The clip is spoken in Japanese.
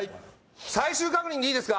最終確認でいいですか？